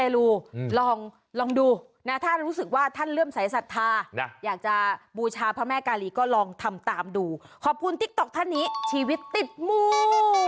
ลองลองดูนะท่านรู้สึกว่าท่านเริ่มสายศรัทธานะอยากจะบูชาพระแม่กาลีก็ลองทำตามดูขอบคุณติ๊กต๊อกท่านนี้ชีวิตติดมู